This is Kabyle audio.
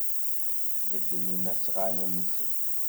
Beddlen asɣan-nsen.